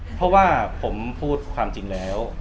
เพราะว่าผมพูดความจริงแล้ว